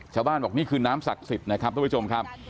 บอกนี่คือน้ำศักดิ์สิทธิ์นะครับทุกผู้ชมครับ